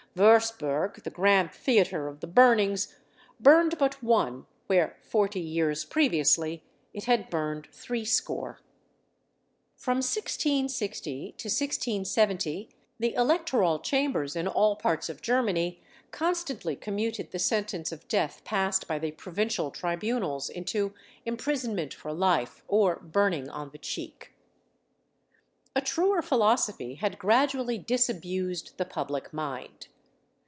Würzburg, the grand theatre of the burnings, burned but one where, forty years previously, it had burned three score. From 1660 to 1670 the electoral chambers, in all parts of Germany, constantly commuted the sentence of death passed by the provincial tribunals into imprisonment for life, or burning on the cheek. [Illustration: ROUEN.] A truer philosophy had gradually disabused the public mind.